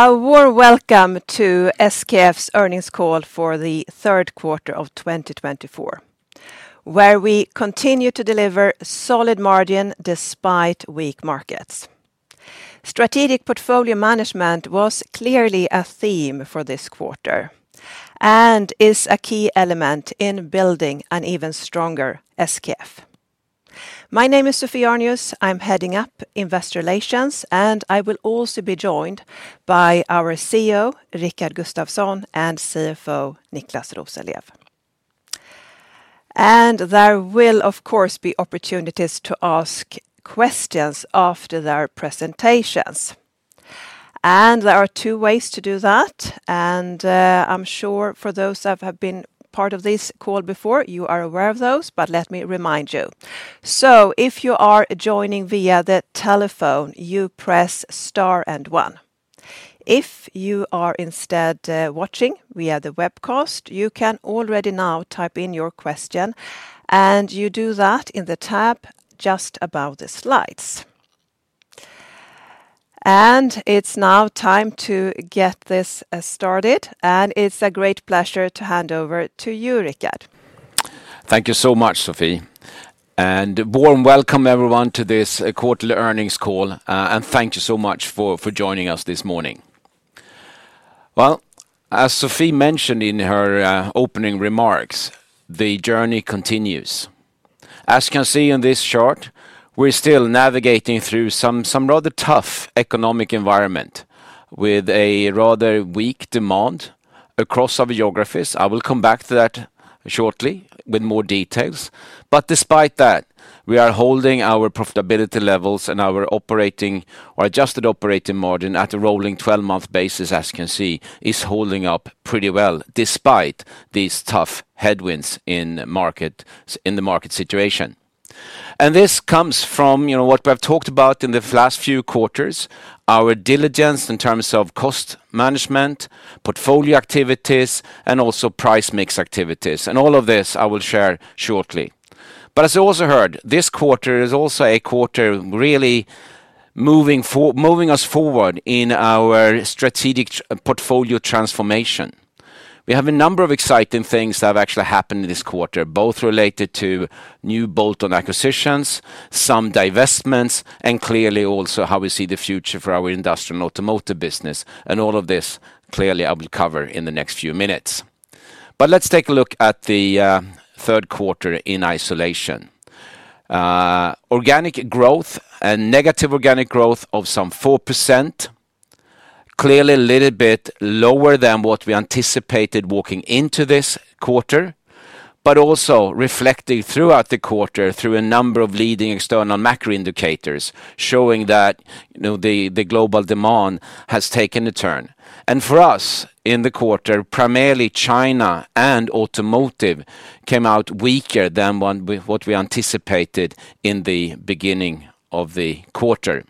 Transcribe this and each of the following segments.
A warm welcome to SKF's Earnings Call for the Q3 of 2024, where we continue to deliver solid margins despite weak markets. Strategic portfolio management was clearly a theme for this quarter and is a key element in building an even stronger SKF. My name is Sophie Arnius. I'm heading up Investor Relations, and I will also be joined by our CEO, Rickard Gustafson, and CFO, Niclas Rosenlew, and there will, of course, be opportunities to ask questions after their presentations, and there are two ways to do that, and I'm sure for those that have been part of this call before, you are aware of those, but let me remind you, so if you are joining via the telephone, you press star and one. If you are instead watching via the webcast, you can already now type in your question, and you do that in the tab just above the slides. And it's now time to get this started, and it's a great pleasure to hand over to you, Rickard. Thank you so much, Sophie. A warm welcome, everyone, to this quarterly earnings call, and thank you so much for joining us this morning. As Sophie mentioned in her opening remarks, the journey continues. As you can see on this chart, we're still navigating through some rather tough economic environment with a rather weak demand across our geographies. I will come back to that shortly with more details. Despite that, we are holding our profitability levels and our operating or adjusted operating margin at a rolling 12-month basis, as you can see, is holding up pretty well despite these tough headwinds in the market situation. This comes from what we have talked about in the last few quarters, our diligence in terms of cost management, portfolio activities, and also price mix activities. All of this I will share shortly. But as you also heard, this quarter is also a quarter really moving us forward in our strategic portfolio transformation. We have a number of exciting things that have actually happened this quarter, both related to new bolt-on acquisitions, some divestments, and clearly also how we see the future for our industrial and automotive business. And all of this clearly I will cover in the next few minutes. But let's take a look at the Q3 in isolation. Organic growth and negative organic growth of some 4%, clearly a little bit lower than what we anticipated walking into this quarter, but also reflecting throughout the quarter through a number of leading external macro indicators showing that the global demand has taken a turn. And for us in the quarter, primarily China and automotive came out weaker than what we anticipated in the beginning of the quarter.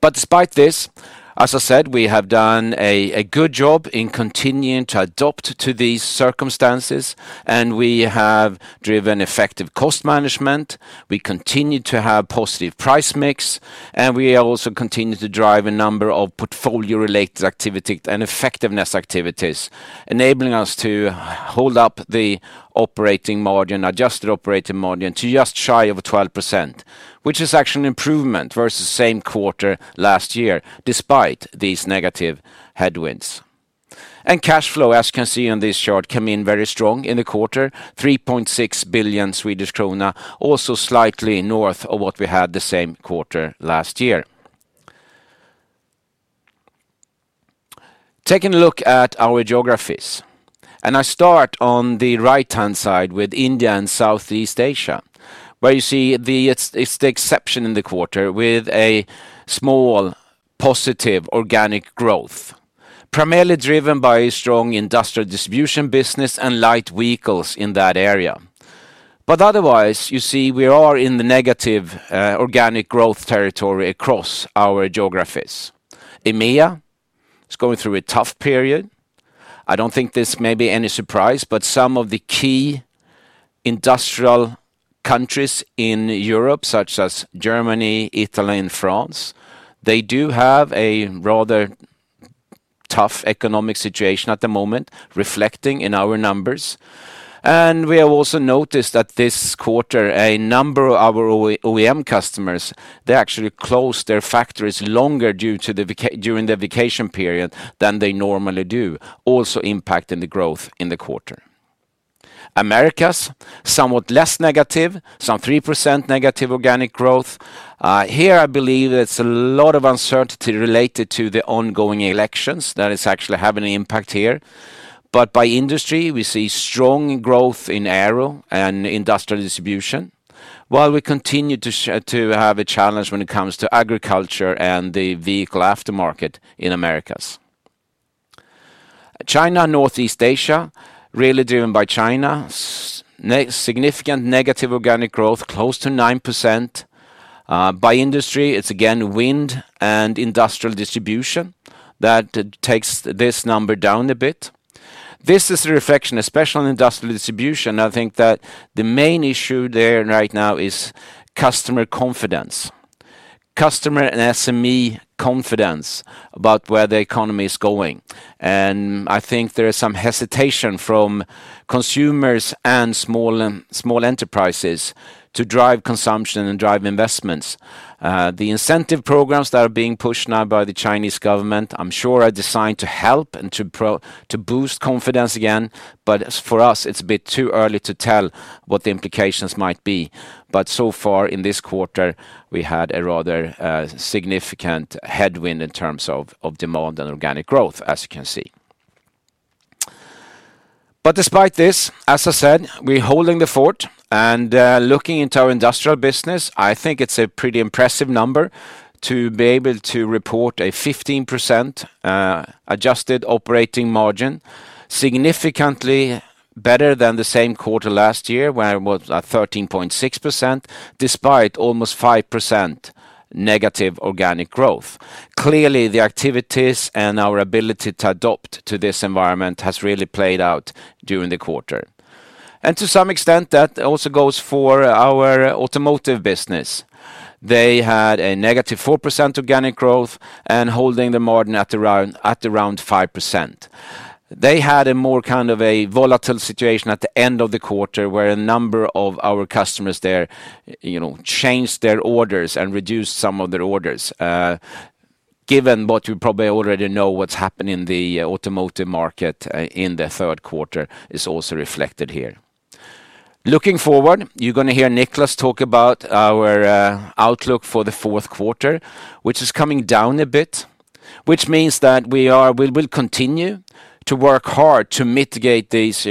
But despite this, as I said, we have done a good job in continuing to adapt to these circumstances, and we have driven effective cost management. We continue to have positive price mix, and we also continue to drive a number of portfolio-related activities and effectiveness activities, enabling us to hold up the operating margin, adjusted operating margin to just shy of 12%, which is actually an improvement versus the same quarter last year despite these negative headwinds. And cash flow, as you can see on this chart, came in very strong in the quarter, 3.6 billion Swedish krona, also slightly north of what we had the same quarter last year. Taking a look at our geographies, and I start on the right-hand side with India and Southeast Asia, where you see it's the exception in the quarter with a small positive organic growth, primarily driven by a strong industrial distribution business and light vehicles in that area. But otherwise, you see we are in the negative organic growth territory across our geographies. EMEA is going through a tough period. I don't think this may be any surprise, but some of the key industrial countries in Europe, such as Germany, Italy, and France, they do have a rather tough economic situation at the moment, reflecting in our numbers. And we have also noticed that this quarter, a number of our OEM customers, they actually closed their factories longer during the vacation period than they normally do, also impacting the growth in the quarter. [are] somewhat less negative, some 3% negative organic growth. Here, I believe it's a lot of uncertainty related to the ongoing elections that is actually having an impact here. But by industry, we see strong growth in aero and industrial distribution, while we continue to have a challenge when it comes to agriculture and the vehicle aftermarket in the Americas. China and Northeast Asia, really driven by China, significant negative organic growth, close to 9%. By industry, it's again wind and industrial distribution that takes this number down a bit. This is a reflection, especially on industrial distribution. I think that the main issue there right now is customer confidence, customer and SME confidence about where the economy is going, and I think there is some hesitation from consumers and small enterprises to drive consumption and drive investments. The incentive programs that are being pushed now by the Chinese government, I'm sure are designed to help and to boost confidence again, but for us, it's a bit too early to tell what the implications might be. But so far in this quarter, we had a rather significant headwind in terms of demand and organic growth, as you can see. But despite this, as I said, we're holding the fort and looking into our industrial business. I think it's a pretty impressive number to be able to report a 15% adjusted operating margin, significantly better than the same quarter last year when it was at 13.6%, despite almost 5% negative organic growth. Clearly, the activities and our ability to adapt to this environment has really played out during the quarter. And to some extent, that also goes for our automotive business. They had a negative 4% organic growth and holding the margin at around 5%. They had a more kind of a volatile situation at the end of the quarter where a number of our customers there changed their orders and reduced some of their orders. Given what you probably already know, what's happened in the automotive market in the Q3 is also reflected here. Looking forward, you're going to hear Niclas talk about our outlook for the Q4, which is coming down a bit, which means that we will continue to work hard to mitigate these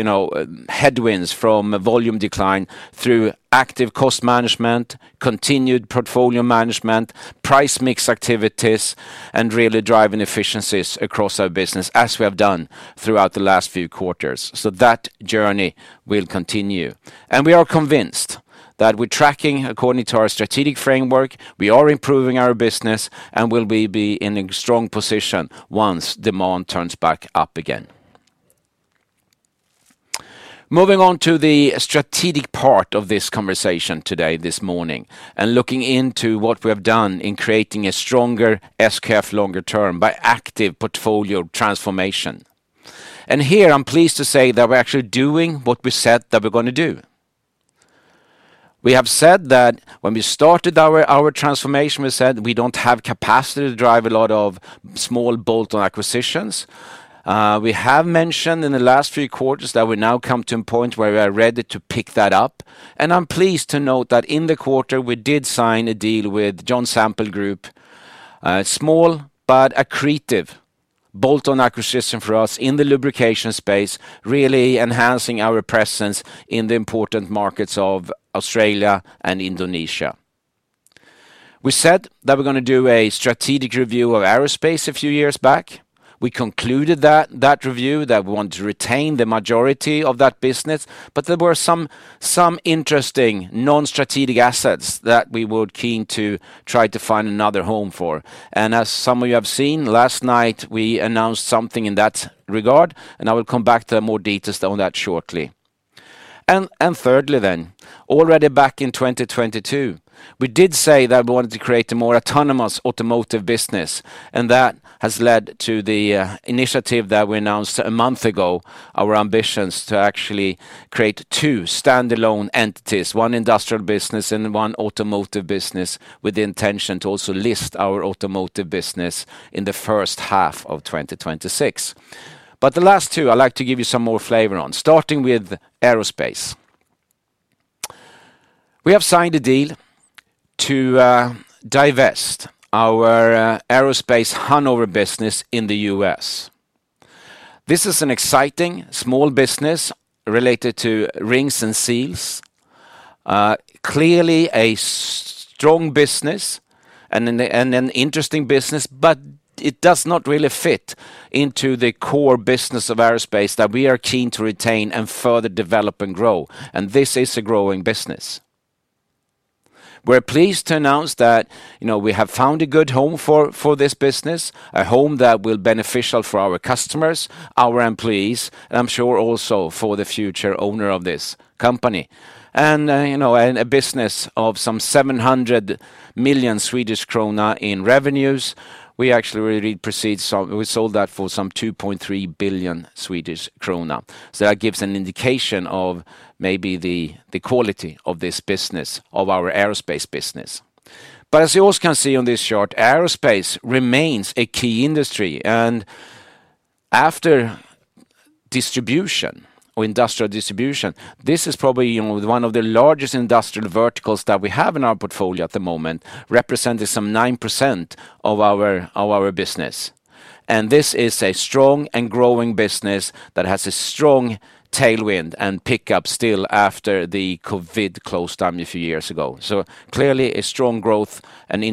headwinds from volume decline through active cost management, continued portfolio management, price mix activities, and really driving efficiencies across our business as we have done throughout the last few quarters, so that journey will continue. We are convinced that we're tracking according to our strategic framework, we are improving our business, and we'll be in a strong position once demand turns back up again. Moving on to the strategic part of this conversation today, this morning, and looking into what we have done in creating a stronger SKF longer term by active portfolio transformation. Here, I'm pleased to say that we're actually doing what we said that we're going to do. We have said that when we started our transformation, we said we don't have capacity to drive a lot of small bolt-on acquisitions. We have mentioned in the last few quarters that we now come to a point where we are ready to pick that up. I'm pleased to note that in the quarter, we did sign a deal with John Sample Group, small but accretive bolt-on acquisition for us in the lubrication space, really enhancing our presence in the important markets of Australia and Indonesia. We said that we're going to do a strategic review of aerospace a few years back. We concluded that review that we want to retain the majority of that business, but there were some interesting non-strategic assets that we were keen to try to find another home for. And as some of you have seen, last night we announced something in that regard, and I will come back to more details on that shortly. And thirdly then, already back in 2022, we did say that we wanted to create a more autonomous automotive business, and that has led to the initiative that we announced a month ago, our ambitions to actually create two standalone entities, one industrial business and one automotive business, with the intention to also list our automotive business in the H1 of 2026. But the last two, I'd like to give you some more flavor on, starting with aerospace. We have signed a deal to divest our aerospace Hanover business in the US. This is an exciting small business related to rings and seals, clearly a strong business and an interesting business, but it does not really fit into the core business of aerospace that we are keen to retain and further develop and grow. And this is a growing business. We're pleased to announce that we have found a good home for this business, a home that will be beneficial for our customers, our employees, and I'm sure also for the future owner of this company. And a business of some 700 million Swedish krona in revenues. We actually really exceeded some, we sold that for some 2.3 billion Swedish krona. So that gives an indication of maybe the quality of this business, of our aerospace business. But as you also can see on this chart, aerospace remains a key industry. And after distribution or industrial distribution, this is probably one of the largest industrial verticals that we have in our portfolio at the moment, representing some 9% of our business. And this is a strong and growing business that has a strong tailwind and pickup still after the COVID close down a few years ago. So clearly a strong growth and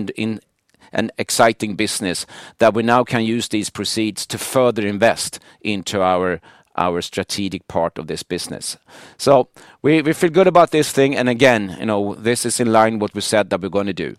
an exciting business that we now can use these proceeds to further invest into our strategic part of this business. So we feel good about this thing. And again, this is in line with what we said that we're going to do.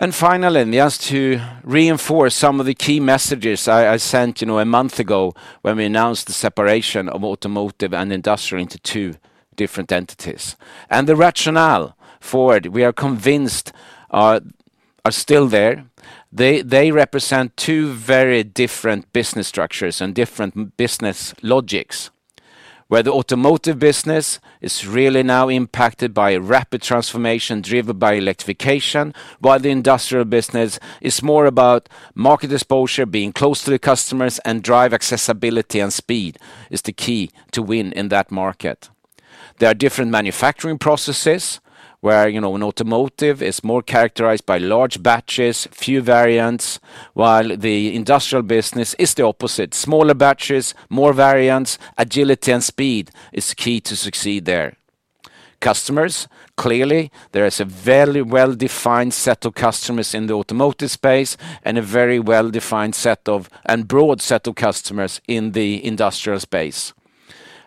And finally, just to reinforce some of the key messages I sent a month ago when we announced the separation of automotive and industrial into two different entities. And the rationale for it, we are convinced, are still there. They represent two very different business structures and different business logics, where the automotive business is really now impacted by a rapid transformation driven by electrification, while the industrial business is more about market exposure, being close to the customers and drive accessibility and speed is the key to win in that market. There are different manufacturing processes where an automotive is more characterized by large batches, few variants, while the industrial business is the opposite, smaller batches, more variants, agility and speed is key to succeed there. Customers, clearly, there is a very well-defined set of customers in the automotive space and a very broad set of customers in the industrial space.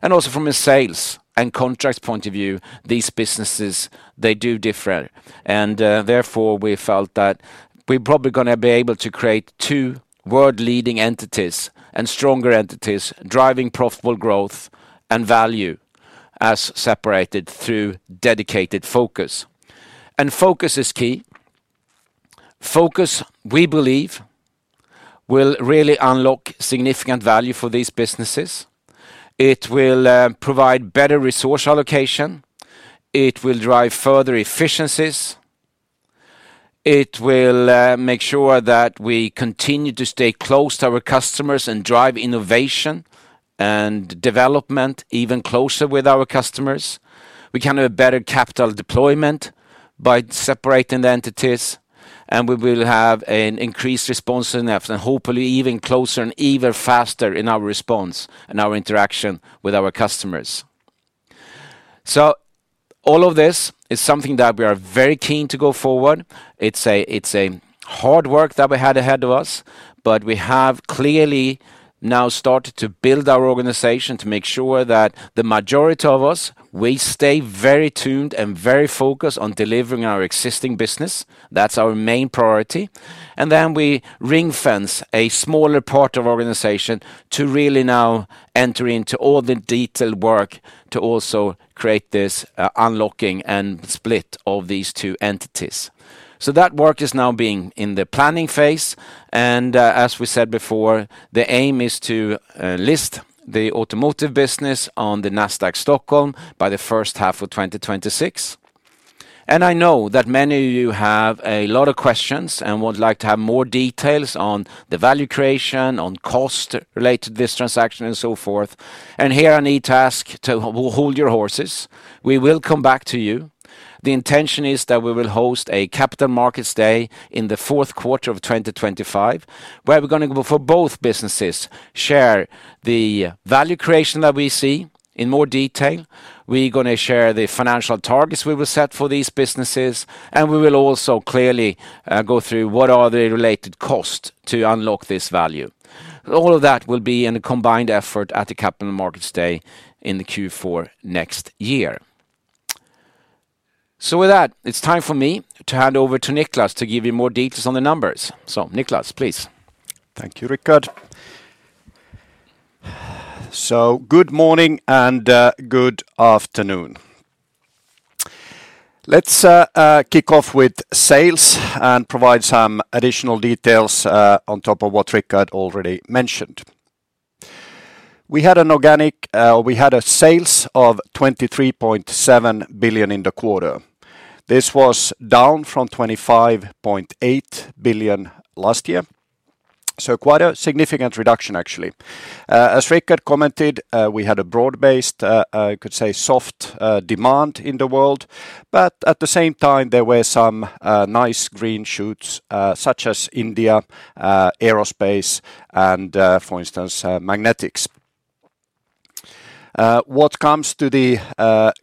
And also from a sales and contracts point of view, these businesses, they do differ. And therefore, we felt that we're probably going to be able to create two world-leading entities and stronger entities driving profitable growth and value as separated through dedicated focus. And focus is key. Focus, we believe, will really unlock significant value for these businesses. It will provide better resource allocation. It will drive further efficiencies. It will make sure that we continue to stay close to our customers and drive innovation and development even closer with our customers. We can have a better capital deployment by separating the entities, and we will have an increased response and hopefully even closer and even faster in our response and our interaction with our customers, so all of this is something that we are very keen to go forward. It's a hard work that we had ahead of us, but we have clearly now started to build our organization to make sure that the majority of us, we stay very tuned and very focused on delivering our existing business. That's our main priority, and then we ring-fence a smaller part of our organization to really now enter into all the detailed work to also create this unlocking and split of these two entities. So that work is now being in the planning phase. And as we said before, the aim is to list the automotive business on the Nasdaq Stockholm by the H1 of 2026. And I know that many of you have a lot of questions and would like to have more details on the value creation, on cost related to this transaction and so forth. And here I need to ask to hold your horses. We will come back to you. The intention is that we will host a Capital Markets Day in the Q4 of 2025, where we're going to go for both businesses, share the value creation that we see in more detail. We're going to share the financial targets we will set for these businesses, and we will also clearly go through what are the related costs to unlock this value. All of that will be in a combined effort at the Capital Markets Day in the Q4 next year. So with that, it's time for me to hand over to Niclas to give you more details on the numbers. So Niclas, please. Thank you, Rickard. So good morning and good afternoon. Let's kick off with sales and provide some additional details on top of what Rickard already mentioned. We had organic sales of 23.7 billion in the quarter. This was down from 25.8 billion last year. So quite a significant reduction, actually. As Rickard commented, we had a broad-based, I could say, soft demand in the world, but at the same time, there were some nice green shoots, such as India, aerospace, and for instance, magnetics. When it comes to the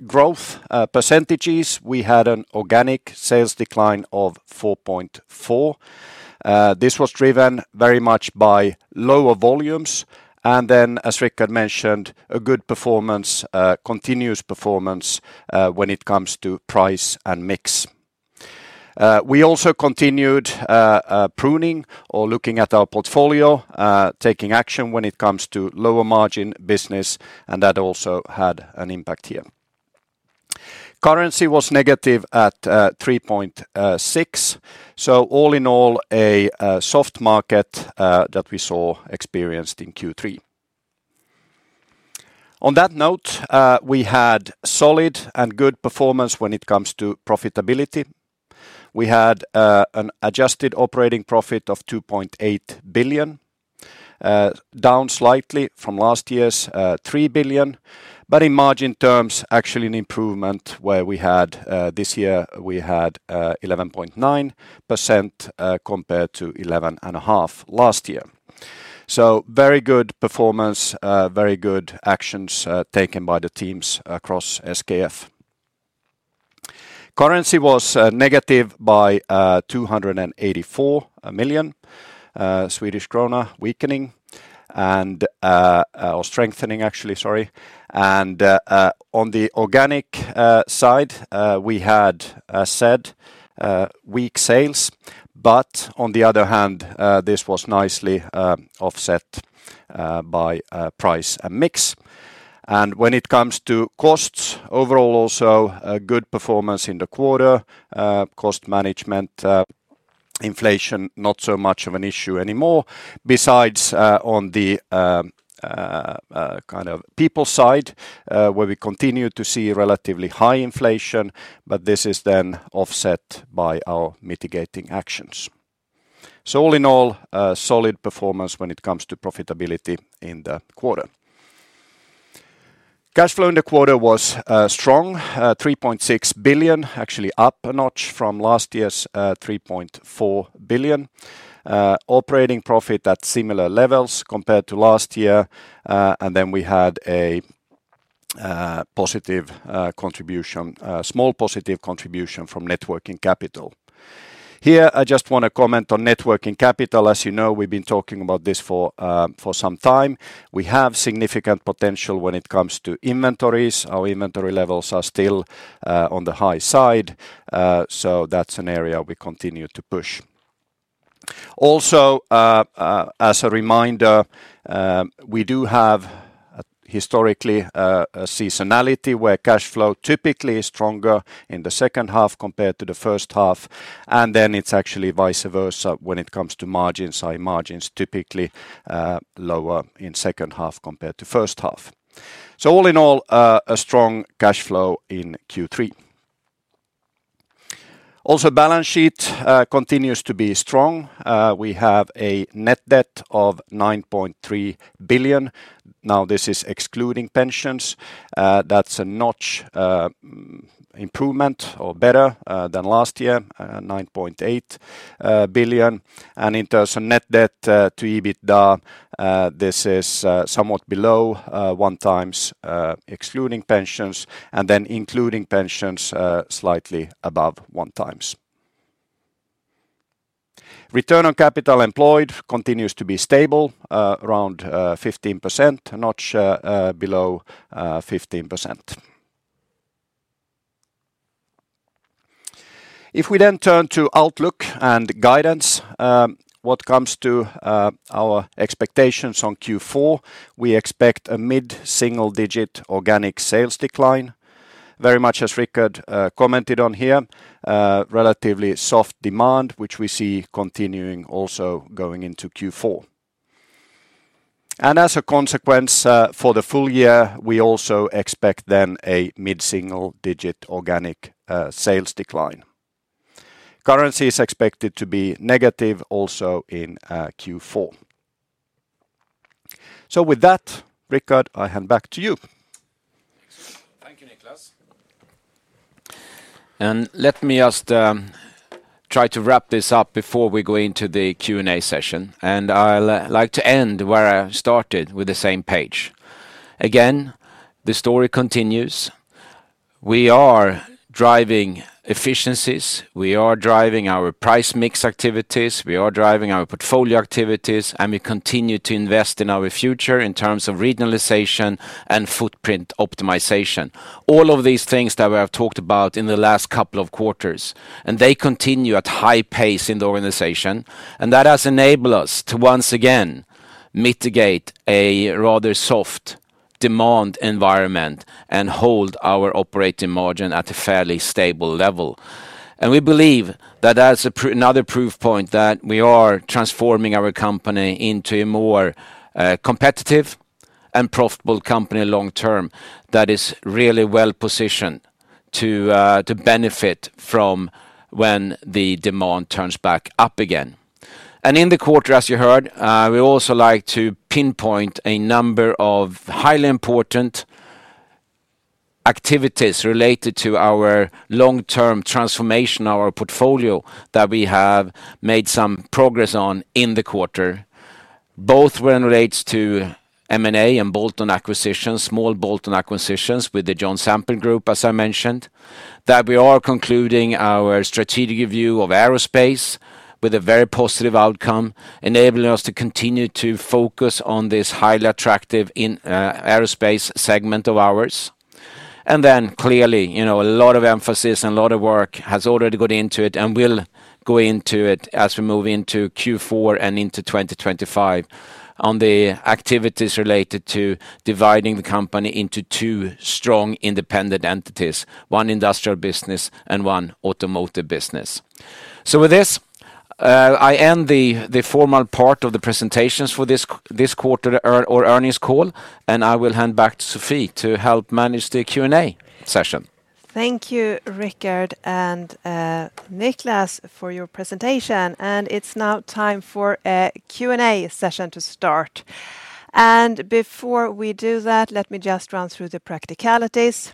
growth percentages, we had an organic sales decline of 4.4%. This was driven very much by lower volumes. And then, as Rickard mentioned, a good performance, continuous performance when it comes to price and mix. We also continued pruning or looking at our portfolio, taking action when it comes to lower margin business, and that also had an impact here. Currency was negative at 3.6%. So all in all, a soft market that we saw experienced in Q3. On that note, we had solid and good performance when it comes to profitability. We had an adjusted operating profit of 2.8 billion, down slightly from last year's 3 billion, but in margin terms, actually an improvement where we had this year, we had 11.9% compared to 11.5% last year. So very good performance, very good actions taken by the teams across SKF. Currency was negative by 284 million Swedish krona weakening or strengthening, actually, sorry. And on the organic side, we had said weak sales, but on the other hand, this was nicely offset by price and mix. And when it comes to costs, overall also good performance in the quarter, cost management, inflation, not so much of an issue anymore. Besides on the kind of people side, where we continue to see relatively high inflation, but this is then offset by our mitigating actions. So all in all, solid performance when it comes to profitability in the quarter. Cash flow in the quarter was strong, 3.6 billion, actually up a notch from last year's 3.4 billion. Operating profit at similar levels compared to last year. And then we had a positive contribution, small positive contribution from net working capital. Here, I just want to comment on net working capital. As you know, we've been talking about this for some time. We have significant potential when it comes to inventories. Our inventory levels are still on the high side. That's an area we continue to push. Also, as a reminder, we do have historically a seasonality where cash flow typically is stronger in the second half compared to the first half. Then it's actually vice versa when it comes to margins. High margins typically lower in second half compared to first half. All in all, a strong cash flow in Q3. Also, balance sheet continues to be strong. We have a net debt of 9.3 billion. Now, this is excluding pensions. That's a notch improvement or better than last year, 9.8 billion. In terms of net debt to EBITDA, this is somewhat below one times excluding pensions and then including pensions slightly above one times. Return on capital employed continues to be stable, around 15%, not below 15%. If we then turn to outlook and guidance, what comes to our expectations on Q4, we expect a mid-single digit organic sales decline, very much as Rickard commented on here, relatively soft demand, which we see continuing also going into Q4. As a consequence for the full year, we also expect then a mid-single digit organic sales decline. Currency is expected to be negative also in Q4. With that, Rickard, I hand back to you. Thank you, Niclas. Let me just try to wrap this up before we go into the Q&A session. I'd like to end where I started with the same page. Again, the story continues. We are driving efficiencies. We are driving our price mix activities. We are driving our portfolio activities, and we continue to invest in our future in terms of regionalization and footprint optimization. All of these things that we have talked about in the last couple of quarters, and they continue at high pace in the organization. And that has enabled us to once again mitigate a rather soft demand environment and hold our operating margin at a fairly stable level. And we believe that that's another proof point that we are transforming our company into a more competitive and profitable company long term that is really well positioned to benefit from when the demand turns back up again. In the quarter, as you heard, we also like to pinpoint a number of highly important activities related to our long-term transformation of our portfolio that we have made some progress on in the quarter, both when it relates to M&A and small bolt-on acquisitions with the John Sample Group, as I mentioned, that we are concluding our strategic review of aerospace with a very positive outcome, enabling us to continue to focus on this highly attractive aerospace segment of ours. Then clearly, a lot of emphasis and a lot of work has already gone into it and will go into it as we move into Q4 and into 2025 on the activities related to dividing the company into two strong independent entities, one industrial business and one automotive business. With this, I end the formal part of the presentations for this quarter or earnings call, and I will hand back to Sophie to help manage the Q&A session. Thank you, Rickard and Niclas, for your presentation. And it's now time for a Q&A session to start. And before we do that, let me just run through the practicalities.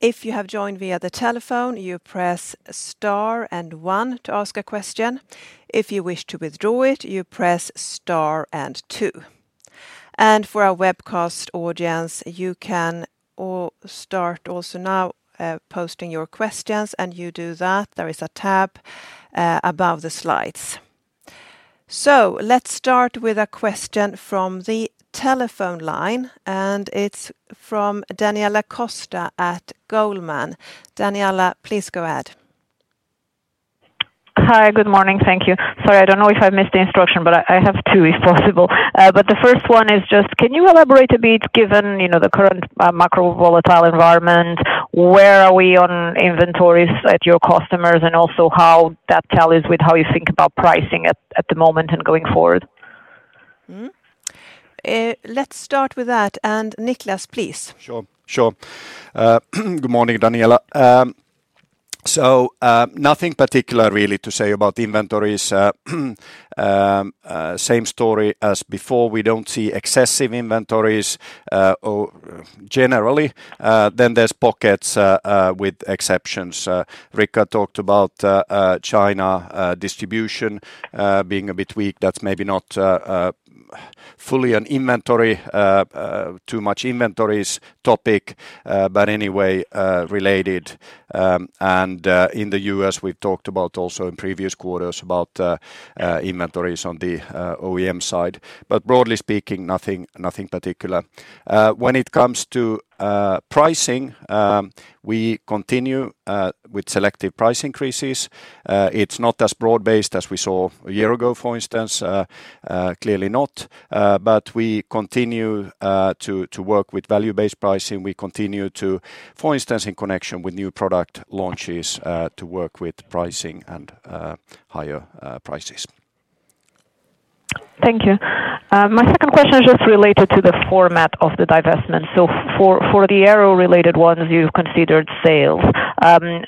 If you have joined via the telephone, you press star and one to ask a question. If you wish to withdraw it, you press star and two. And for our webcast audience, you can start also now posting your questions. And you do that, there is a tab above the slides. So let's start with a question from the telephone line, and it's from Daniela Costa at Goldman. Daniela, please go ahead. Hi, good morning. Thank you. Sorry, I don't know if I missed the instruction, but I have two if possible, but the first one is just, can you elaborate a bit given the current macro volatile environment? Where are we on inventories at your customers and also how that ties with how you think about pricing at the moment and going forward? Let's start with that, and Niclas, please. Sure, sure. Good morning, Daniela, so nothing particular really to say about inventories. Same story as before. We don't see excessive inventories generally, then there's pockets with exceptions. Rickard talked about China distribution being a bit weak. That's maybe not fully an inventory, too much inventories topic, but anyway related, and in the US, we've talked about also in previous quarters about inventories on the OEM side, but broadly speaking, nothing particular. When it comes to pricing, we continue with selective price increases. It's not as broad-based as we saw a year ago, for instance, clearly not. But we continue to work with value-based pricing. We continue to, for instance, in connection with new product launches, to work with pricing and higher prices. Thank you. My second question is just related to the format of the divestment. So for the aero-related ones, you've considered sales.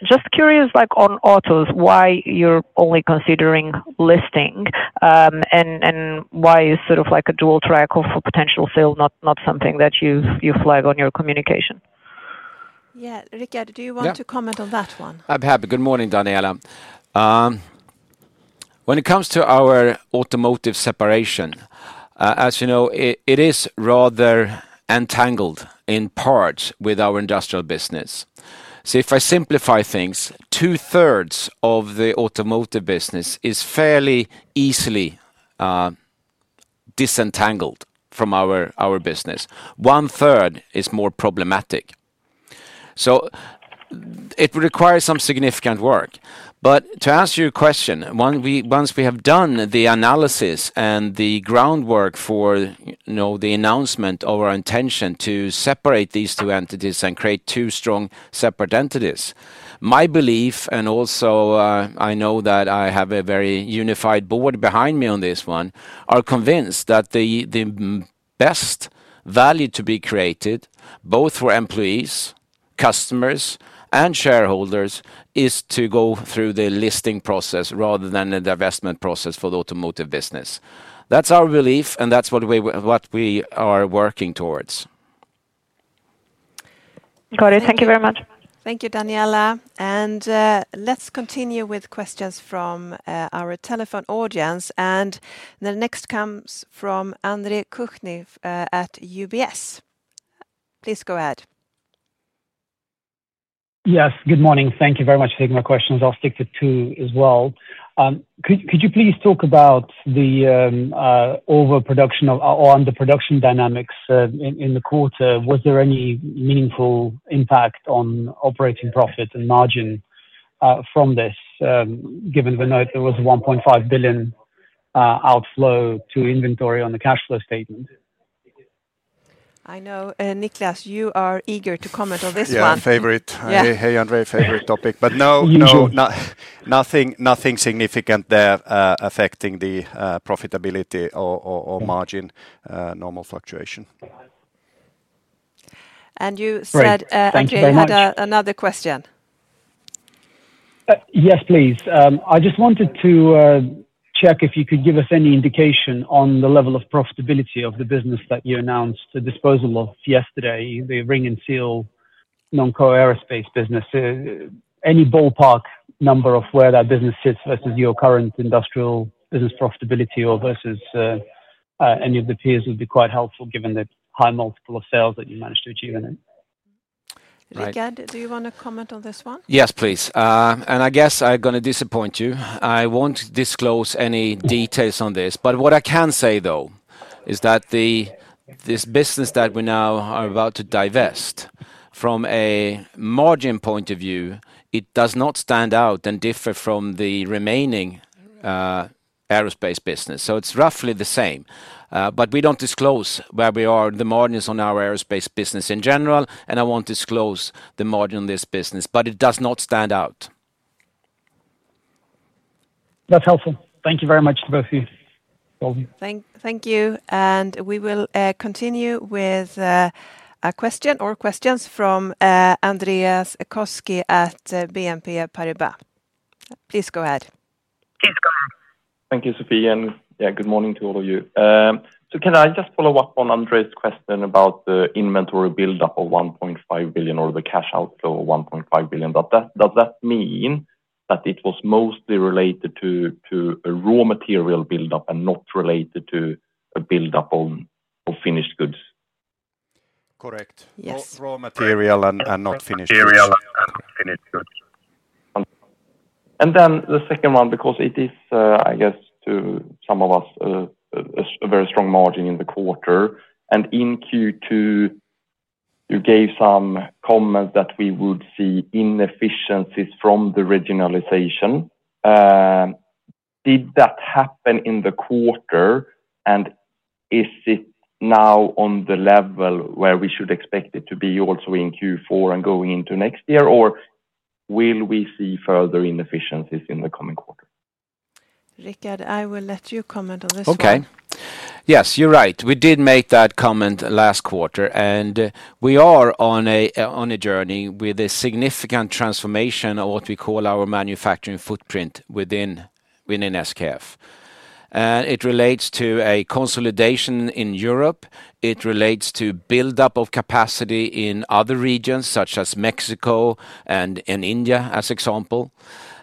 Just curious, like on autos, why you're only considering listing and why it's sort of like a dual track for potential sale, not something that you flag on your communication? Yeah, Rickard, do you want to comment on that one? I'm happy. Good morning, Daniela. When it comes to our automotive separation, as you know, it is rather entangled in parts with our industrial business. So if I simplify things, two-thirds of the automotive business is fairly easily disentangled from our business. One-third is more problematic. It requires some significant work. But to answer your question, once we have done the analysis and the groundwork for the announcement of our intention to separate these two entities and create two strong separate entities, my belief, and also I know that I have a very unified board behind me on this one, are convinced that the best value to be created, both for employees, customers, and shareholders, is to go through the listing process rather than the divestment process for the automotive business. That's our belief, and that's what we are working towards. Got it. Thank you very much. Thank you, Daniela. Let's continue with questions from our telephone audience. The next comes from Andre Kukhnin at UBS. Please go ahead. Yes, good morning. Thank you very much for taking my questions. I'll stick to two as well. Could you please talk about the overproduction or underproduction dynamics in the quarter? Was there any meaningful impact on operating profit and margin from this, given the note there was a 1.5 billion outflow to inventory on the cash flow statement? I know. Niclas, you are eager to comment on this one. Yeah, favorite. Hey, Andre, favorite topic. But no, nothing significant there affecting the profitability or margin. Normal fluctuation. And you said, Andre, you had another question. Yes, please. I just wanted to check if you could give us any indication on the level of profitability of the business that you announced the disposal of yesterday, the rings and seals non-core aerospace business. Any ballpark number of where that business sits versus your current industrial business profitability or versus any of the peers would be quite helpful given the high multiple of sales that you managed to achieve in it. Rickard, do you want to comment on this one? Yes, please, and I guess I'm going to disappoint you. I won't disclose any details on this, but what I can say, though, is that this business that we now are about to divest from a margin point of view, it does not stand out and differ from the remaining aerospace business, so it's roughly the same. But we don't disclose where we are, the margins on our aerospace business in general, and I won't disclose the margin on this business, but it does not stand out. That's helpful. Thank you very much to both of you. Thank you. And we will continue with a question or questions from Andreas Koski at BNP Paribas. Please go ahead. Please go ahead. Thank you, Sophie. And yeah, good morning to all of you. So can I just follow up on Andrei's question about the inventory buildup of 1.5 billion or the cash outflow of 1.5 billion? Does that mean that it was mostly related to raw material buildup and not related to a buildup of finished goods? Correct. Raw material and not finished goods. And then the second one, because it is, I guess, to some of us, a very strong margin in the quarter. And in Q2, you gave some comments that we would see inefficiencies from the regionalization. Did that happen in the quarter? And is it now on the level where we should expect it to be also in Q4 and going into next year? Or will we see further inefficiencies in the coming quarter? Rickard, I will let you comment on this one. Okay. Yes, you're right. We did make that comment last quarter. And we are on a journey with a significant transformation of what we call our manufacturing footprint within SKF. And it relates to a consolidation in Europe. It relates to buildup of capacity in other regions such as Mexico and India, as example.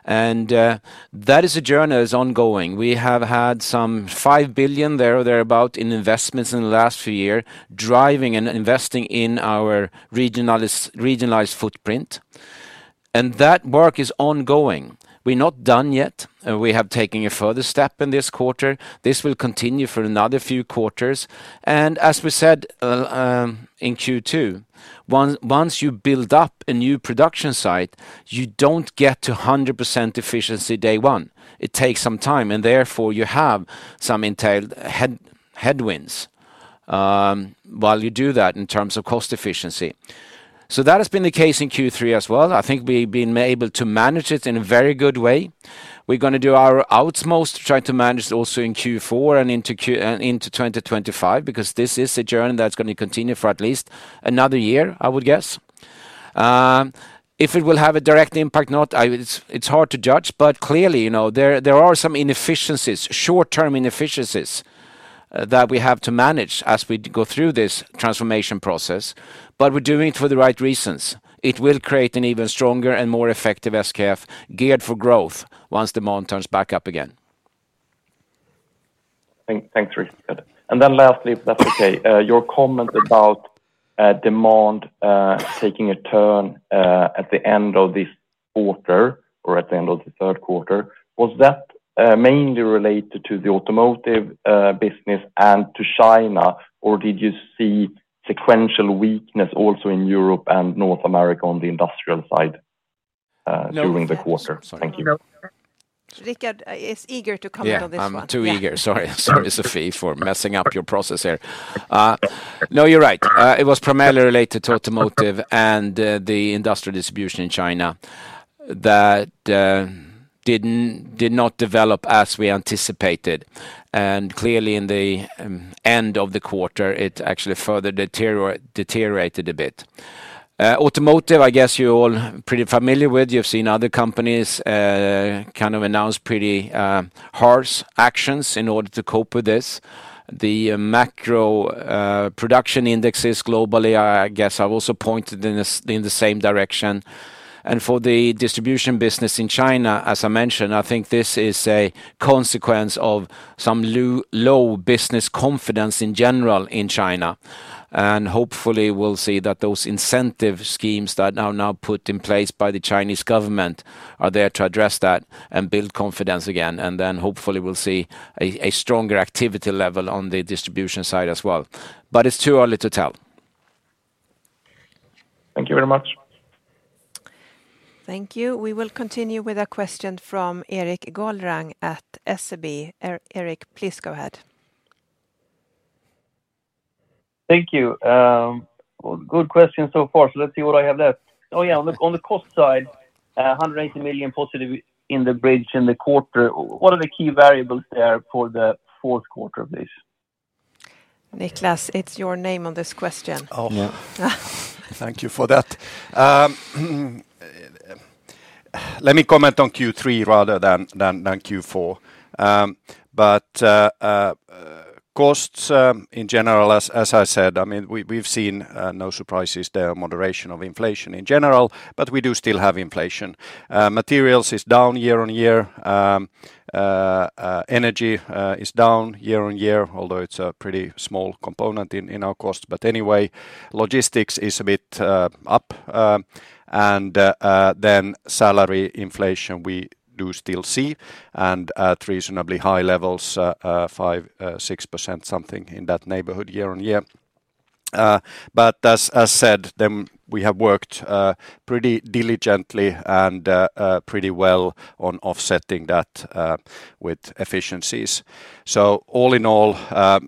And that is a journey that is ongoing. We have had some 5 billion there or thereabout in investments in the last few years driving and investing in our regionalized footprint. And that work is ongoing. We're not done yet. We have taken a further step in this quarter. This will continue for another few quarters. And as we said in Q2, once you build up a new production site, you don't get to 100% efficiency day one. It takes some time. And therefore, you have some entailed headwinds while you do that in terms of cost efficiency. So that has been the case in Q3 as well. I think we've been able to manage it in a very good way. We're going to do our utmost to try to manage it also in Q4 and into 2025 because this is a journey that's going to continue for at least another year, I would guess. If it will have a direct impact or not, it's hard to judge. But clearly, there are some inefficiencies, short-term inefficiencies that we have to manage as we go through this transformation process. But we're doing it for the right reasons. It will create an even stronger and more effective SKF geared for growth once demand turns back up again. Thanks, Rickard. And then lastly, if that's okay, your comment about demand taking a turn at the end of this quarter or at the end of the Q3, was that mainly related to the automotive business and to China? Or did you see sequential weakness also in Europe and North America on the industrial side during the quarter? Thank you. Rickard is eager to comment on this one. I'm too eager. Sorry, Sophie, for messing up your process here. No, you're right. It was primarily related to automotive and the industrial distribution in China that did not develop as we anticipated. And clearly, in the end of the quarter, it actually further deteriorated a bit. Automotive, I guess you're all pretty familiar with. You've seen other companies kind of announce pretty harsh actions in order to cope with this. The macro production indexes globally, I guess, have also pointed in the same direction. And for the distribution business in China, as I mentioned, I think this is a consequence of some low business confidence in general in China. And hopefully, we'll see that those incentive schemes that are now put in place by the Chinese government are there to address that and build confidence again. And then hopefully, we'll see a stronger activity level on the distribution side as well. But it's too early to tell. Thank you very much. Thank you. We will continue with a question from Erik Golrang at SEB. Erik, please go ahead. Thank you. Good question so far. So let's see what I have left. Oh yeah, on the cost side, 180 million positive in the bridge in the quarter. What are the key variables there for the Q4, please? Niclas, it's your name on this question. Thank you for that. Let me comment on Q3 rather than Q4. But costs in general, as I said, I mean, we've seen no surprises there, moderation of inflation in general, but we do still have inflation. Materials is down year on year. Energy is down year on year, although it's a pretty small component in our costs. But anyway, logistics is a bit up. And then salary inflation, we do still see at reasonably high levels, 5% to 6%, something in that neighborhood year on year. But as said, then we have worked pretty diligently and pretty well on offsetting that with efficiencies. So all in all,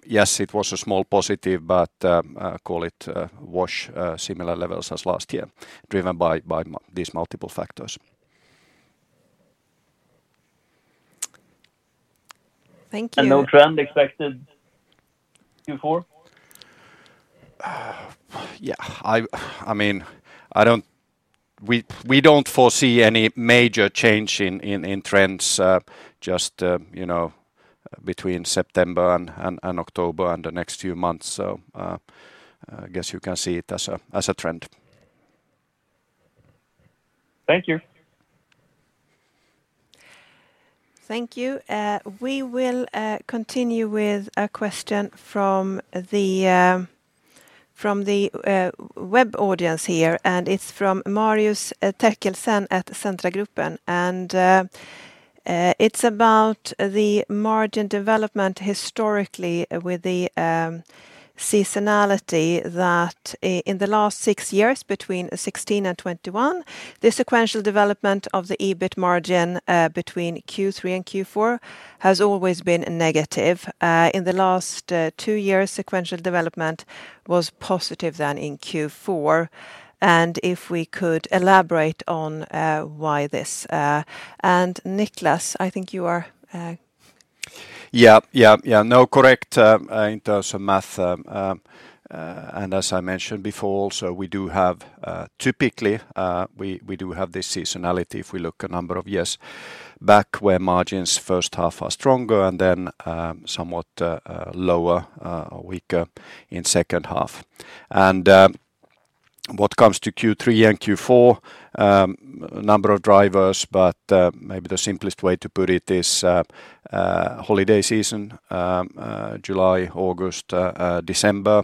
yes, it was a small positive, but call it wash similar levels as last year, driven by these multiple factors. Thank you. And no trend expected Q4? Yeah, I mean, we don't foresee any major change in trends, just between September and October and the next few months. So I guess you can see it as a trend. Thank you. Thank you. We will continue with a question from the web audience here. And it's from Marius Therkelsen at Carnegie Investment Bank. And it's about the margin development historically with the seasonality that in the last six years between 2016 and 2021, the sequential development of the EBIT margin between Q3 and Q4 has always been negative. In the last two years, sequential development was positive than in Q4. And if we could elaborate on why this. And Niclas, I think you are. Yeah, yeah, yeah. No, correct in terms of math. And as I mentioned before, also we do have typically, we do have this seasonality if we look a number of years back where margins first half are stronger and then somewhat lower or weaker in second half. And what comes to Q3 and Q4, a number of drivers, but maybe the simplest way to put it is holiday season, July, August, December.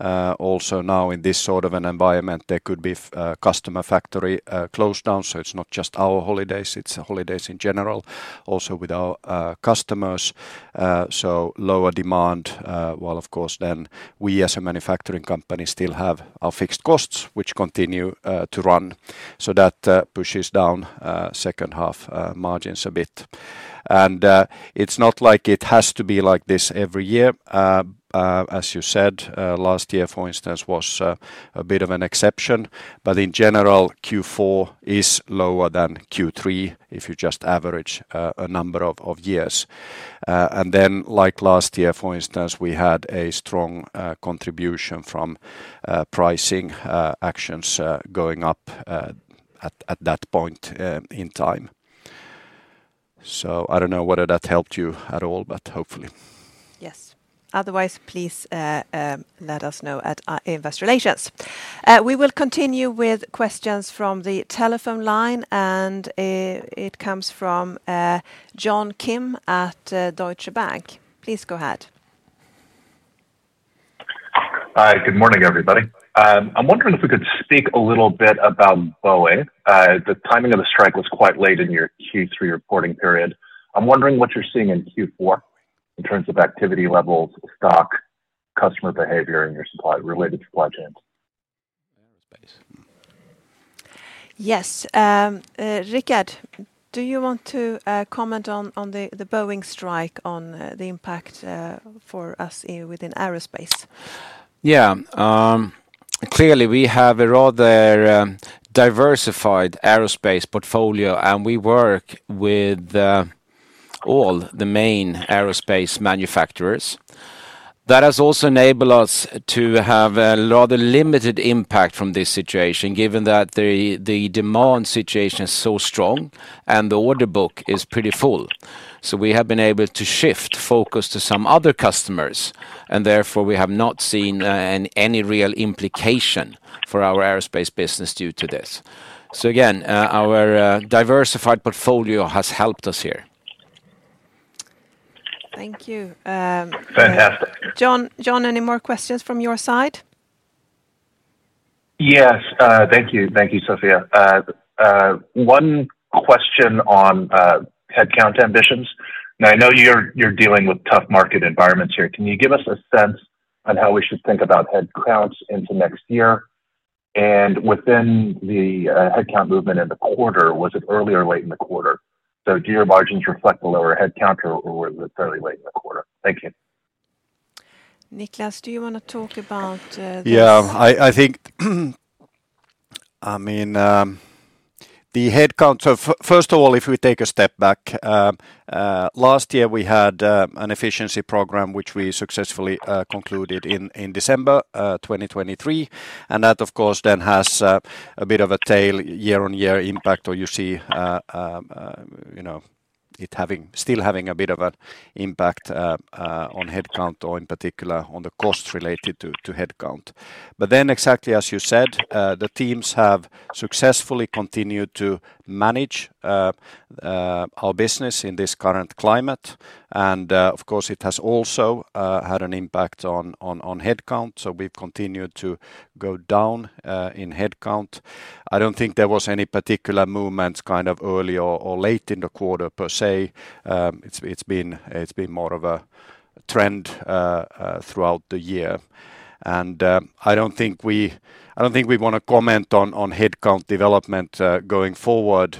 Also now in this sort of an environment, there could be customer factory close down. So it's not just our holidays, it's holidays in general, also with our customers. So lower demand, while of course then we as a manufacturing company still have our fixed costs, which continue to run. So that pushes down second half margins a bit. And it's not like it has to be like this every year. As you said, last year, for instance, was a bit of an exception. But in general, Q4 is lower than Q3 if you just average a number of years. And then like last year, for instance, we had a strong contribution from pricing actions going up at that point in time. So I don't know whether that helped you at all, but hopefully. Yes. Otherwise, please let us know at Investor Relations. We will continue with questions from the telephone line. And it comes from John Kim at Deutsche Bank. Please go ahead. Hi, good morning, everybody. I'm wondering if we could speak a little bit about Boeing. The timing of the strike was quite late in your Q3 reporting period. I'm wondering what you're seeing in Q4 in terms of activity levels, stock, customer behavior, and your related supply chains. Yes. Rickard, do you want to comment on the Boeing strike, on the impact for us within aerospace? Yeah. Clearly, we have a rather diversified aerospace portfolio, and we work with all the main aerospace manufacturers. That has also enabled us to have a rather limited impact from this situation, given that the demand situation is so strong and the order book is pretty full. So we have been able to shift focus to some other customers. And therefore, we have not seen any real implication for our aerospace business due to this. So again, our diversified portfolio has helped us here. Thank you. Fantastic. John, any more questions from your side? Yes. Thank you. Thank you, Sophie. One question on headcount ambitions. Now, I know you're dealing with tough market environments here. Can you give us a sense on how we should think about headcounts into next year? Within the headcount movement in the quarter, was it early or late in the quarter? So do your margins reflect a lower headcount, or was it fairly late in the quarter? Thank you. Niclas, do you want to talk about this? Yeah. I mean, the headcounts, first of all, if we take a step back, last year we had an efficiency program, which we successfully concluded in December 2023. And that, of course, then has a bit of a tail year on year impact, or you see it still having a bit of an impact on headcount, or in particular on the cost related to headcount. But then, exactly as you said, the teams have successfully continued to manage our business in this current climate. And of course, it has also had an impact on headcount. So we've continued to go down in headcount. I don't think there was any particular movement kind of early or late in the quarter per se. It's been more of a trend throughout the year. And I don't think we want to comment on headcount development going forward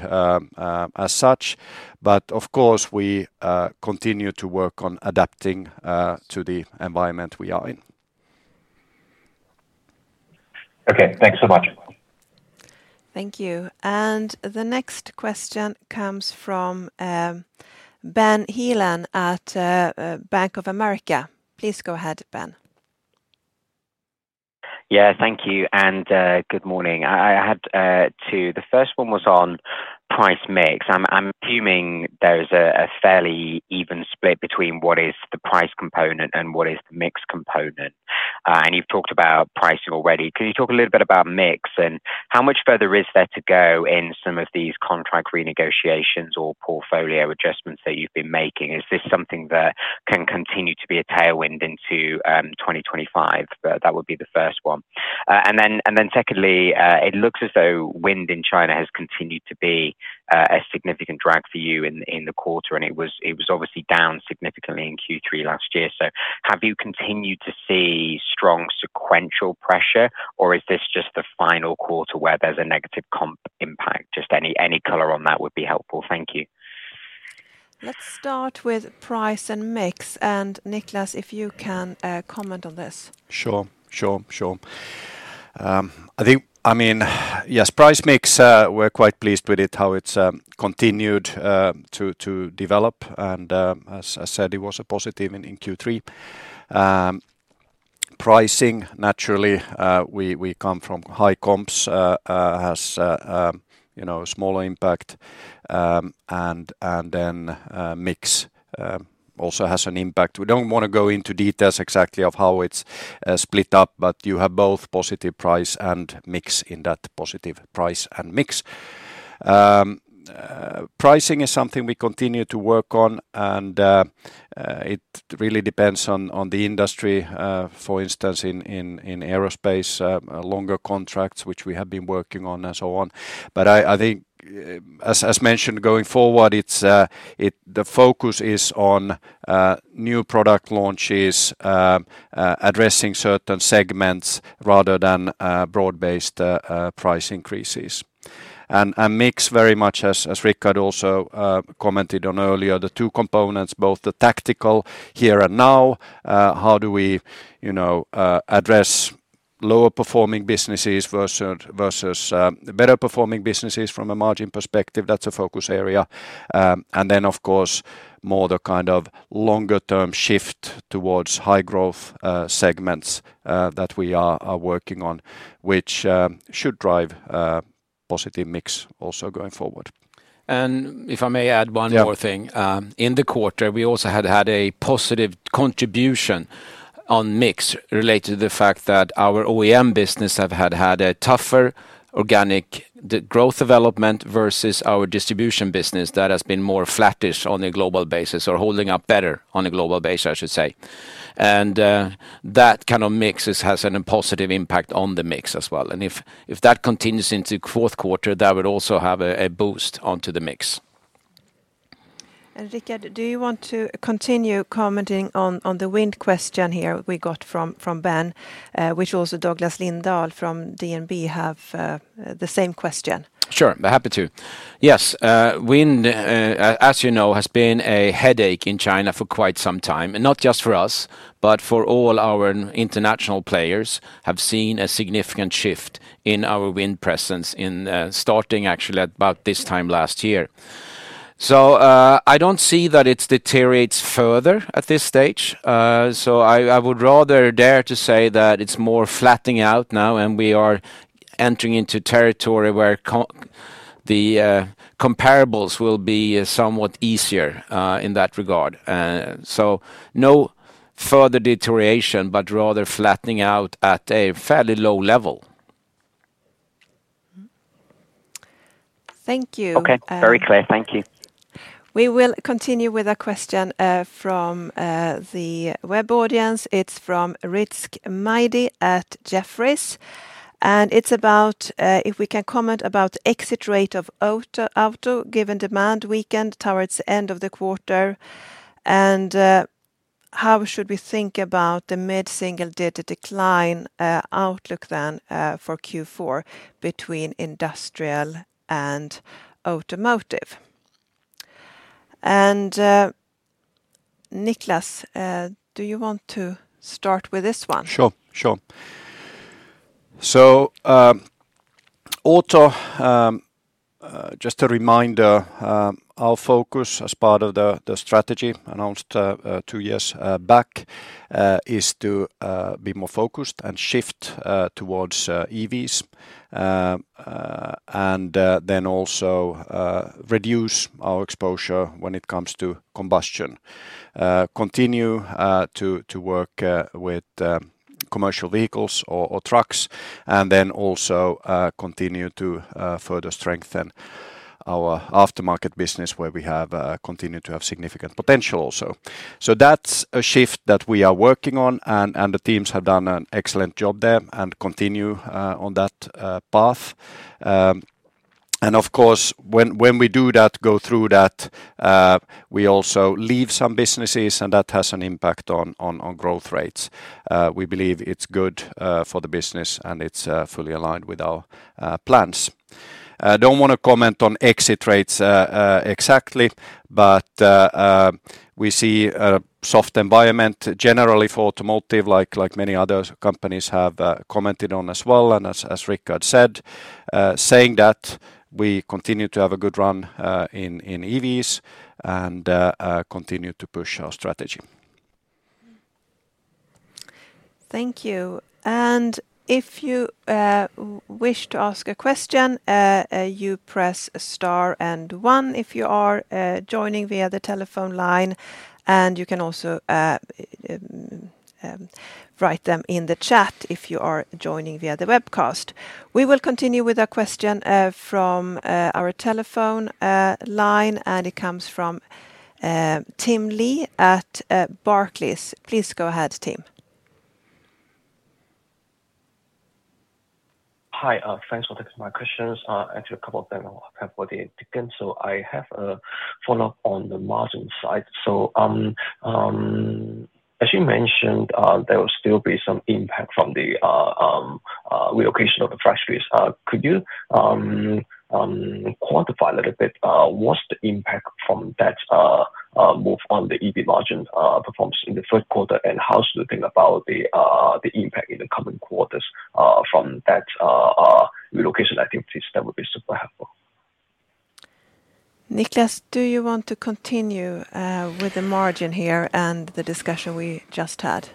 as such. But of course, we continue to work on adapting to the environment we are in. Okay. Thanks so much. Thank you. And the next question comes from Ben Heelan at Bank of America. Please go ahead, Ben. Yeah, thank you. And good morning. The first one was on price mix. I'm assuming there's a fairly even split between what is the price component and what is the mix component. And you've talked about pricing already. Can you talk a little bit about mix and how much further is there to go in some of these contract renegotiations or portfolio adjustments that you've been making? Is this something that can continue to be a tailwind into 2025? That would be the first one. And then secondly, it looks as though wind in China has continued to be a significant drag for you in the quarter. And it was obviously down significantly in Q3 last year. So have you continued to see strong sequential pressure, or is this just the final quarter where there's a negative impact? Just any color on that would be helpful. Thank you. Let's start with price and mix. And Niclas, if you can comment on this. Sure. I mean, yes, price mix, we're quite pleased with it, how it's continued to develop. And as I said, it was a positive in Q3. Pricing, naturally, we come from high comps, has a smaller impact. And then mix also has an impact. We don't want to go into details exactly of how it's split up, but you have both positive price and mix in that positive price and mix. Pricing is something we continue to work on, and it really depends on the industry. For instance, in aerospace, longer contracts, which we have been working on, and so on, but I think, as mentioned, going forward, the focus is on new product launches, addressing certain segments rather than broad-based price increases, and mix, very much as Rickard also commented on earlier, the two components, both the tactical here and now, how do we address lower performing businesses versus better performing businesses from a margin perspective? That's a focus area, and then, of course, more the kind of longer term shift towards high growth segments that we are working on, which should drive positive mix also going forward. And if I may add one more thing, in the quarter, we also had had a positive contribution on mix related to the fact that our OEM business have had a tougher organic growth development versus our distribution business that has been more flattish on a global basis or holding up better on a global basis, I should say. And that kind of mix has a positive impact on the mix as well. And if that continues into Q4, that would also have a boost onto the mix. And Rickard, do you want to continue commenting on the wind question here we got from Ben, which also Douglas Lindahl from DNB have the same question? Sure. Happy to. Yes. Wind, as you know, has been a headache in China for quite some time. Not just for us, but for all our international players have seen a significant shift in our wind presence starting actually at about this time last year. So I don't see that it deteriorates further at this stage. So I would rather dare to say that it's more flattening out now, and we are entering into territory where the comparables will be somewhat easier in that regard. So no further deterioration, but rather flattening out at a fairly low level. Thank you. Okay. Very clear. Thank you. We will continue with a question from the web audience. It's from Rizk Maidi at Jefferies. And it's about if we can comment about exit rate of auto given demand weakening towards the end of the quarter. And how should we think about the mid-single-digit decline outlook then for Q4 between industrial and automotive? And Niclas, do you want to start with this one? Sure. Sure. So auto, just a reminder, our focus as part of the strategy announced two years back is to be more focused and shift towards EVs. And then also reduce our exposure when it comes to combustion. Continue to work with commercial vehicles or trucks. And then also continue to further strengthen our aftermarket business where we continue to have significant potential also. So that's a shift that we are working on. And the teams have done an excellent job there and continue on that path. And of course, when we do that, go through that, we also leave some businesses, and that has an impact on growth rates. We believe it's good for the business, and it's fully aligned with our plans. Don't want to comment on exit rates exactly, but we see a soft environment generally for automotive, like many other companies have commented on as well. As Rickard said, we continue to have a good run in EVs and continue to push our strategy. Thank you. If you wish to ask a question, you press star and one if you are joining via the telephone line. You can also write them in the chat if you are joining via the webcast. We will continue with a question from our telephone line, and it comes from Tim Lee at Barclays. Please go ahead, Tim. Hi. Thanks for taking my questions. Actually, a couple of them are prepared for the weekend. I have a follow-up on the margin side. As you mentioned, there will still be some impact from the relocation of the factories. Could you quantify a little bit what's the impact from that move on the EV margin performance in the Q1, and how should we think about the impact in the coming quarters from that relocation activities? That would be super helpful. Niclas, do you want to continue with the margin here and the discussion we just had?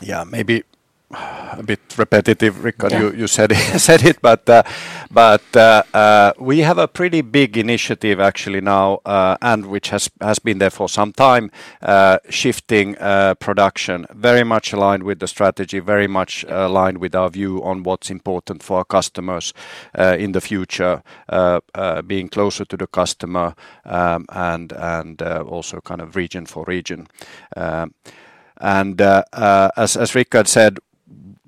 Yeah, maybe a bit repetitive, Rickard. You said it, but we have a pretty big initiative actually now, and which has been there for some time, shifting production very much aligned with the strategy, very much aligned with our view on what's important for our customers in the future, being closer to the customer and also kind of region for region. As Rickard said,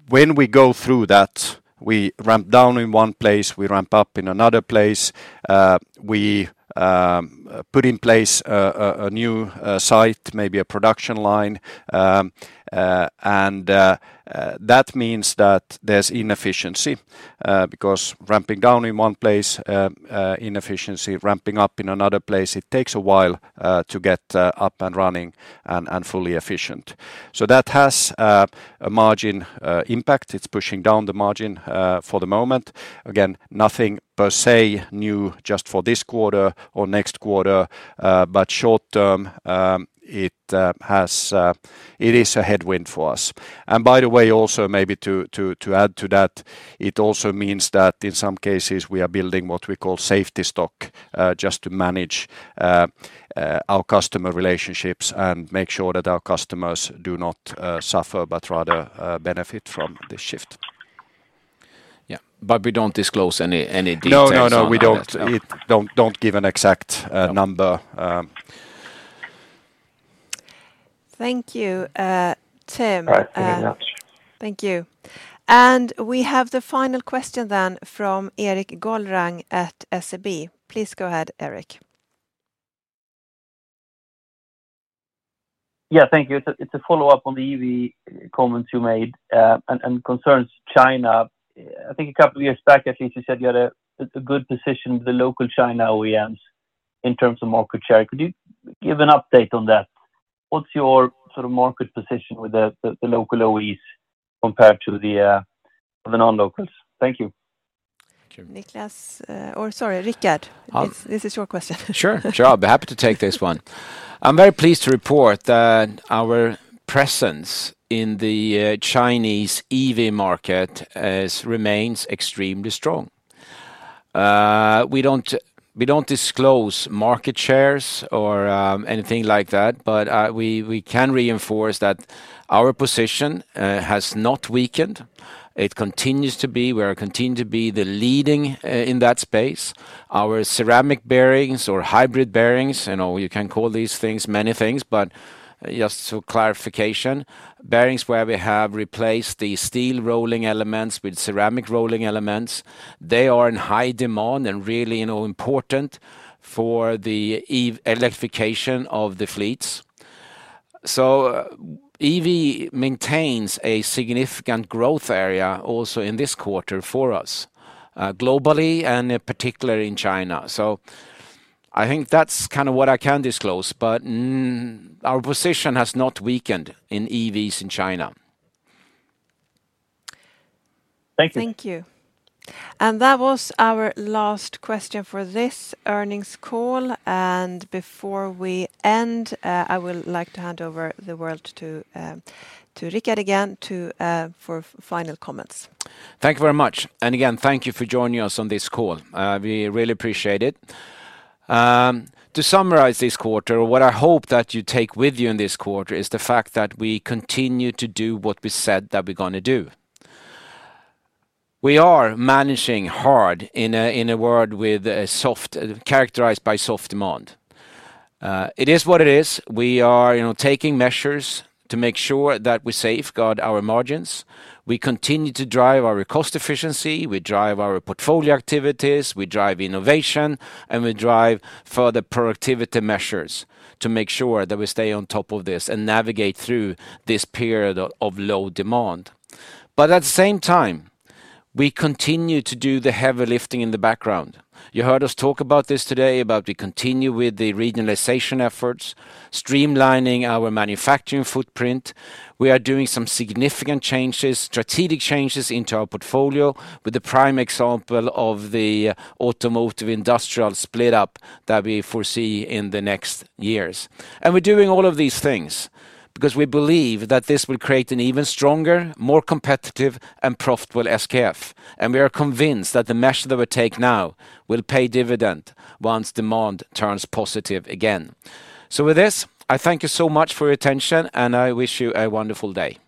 when we go through that, we ramp down in one place, we ramp up in another place. We put in place a new site, maybe a production line, and that means that there's inefficiency because ramping down in one place, inefficiency, ramping up in another place; it takes a while to get up and running and fully efficient, so that has a margin impact. It's pushing down the margin for the moment. Again, nothing per se new just for this quarter or next quarter, but short term, it is a headwind for us, and by the way, also maybe to add to that, it also means that in some cases, we are building what we call safety stock just to manage our customer relationships and make sure that our customers do not suffer, but rather benefit from this shift. Yeah. But we don't disclose any details. No, no, no. We don't give an exact number. Thank you, Tim. Thank you very much. Thank you. And we have the final question then from Erik Golrang at SEB. Please go ahead, Erik. Yeah, thank you. It's a follow-up on the EV comments you made and concerns China. I think a couple of years back, at least, you said you had a good position with the local China OEMs in terms of market share. Could you give an update on that? What's your sort of market position with the local OEs compared to the non-locals? Thank you. Thank you. Niclas, or sorry, Rickard. This is your question. Sure. Sure. I'm happy to take this one. I'm very pleased to report that our presence in the Chinese EV market remains extremely strong. We don't disclose market shares or anything like that, but we can reinforce that our position has not weakened. It continues to be. We are continuing to be the leading in that space. Our ceramic bearings or hybrid bearings, you can call these things many things, but just for clarification, bearings where we have replaced the steel rolling elements with ceramic rolling elements, they are in high demand and really important for the electrification of the fleets. So EV maintains a significant growth area also in this quarter for us globally and particularly in China. So I think that's kind of what I can disclose, but our position has not weakened in EVs in China. Thank you. Thank you. And that was our last question for this earnings call. And before we end, I would like to hand over the word to Rickard again for final comments. Thank you very much. And again, thank you for joining us on this call. We really appreciate it. To summarize this quarter, what I hope that you take with you in this quarter is the fact that we continue to do what we said that we're going to do. We are managing hard in a world characterized by soft demand. It is what it is. We are taking measures to make sure that we safeguard our margins. We continue to drive our cost efficiency. We drive our portfolio activities. We drive innovation, and we drive further productivity measures to make sure that we stay on top of this and navigate through this period of low demand. But at the same time, we continue to do the heavy lifting in the background. You heard us talk about this today, about we continue with the regionalization efforts, streamlining our manufacturing footprint. We are doing some significant changes, strategic changes into our portfolio with the prime example of the automotive industrial split-up that we foresee in the next years. And we're doing all of these things because we believe that this will create an even stronger, more competitive, and profitable SKF. And we are convinced that the measure that we take now will pay dividend once demand turns positive again. So with this, I thank you so much for your attention, and I wish you a wonderful day.